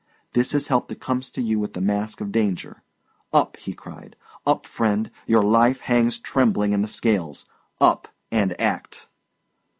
This is help that comes to you with the mask of danger. Up!" he cried; "up, friend. Your life hangs trembling in the scales; up, and act!"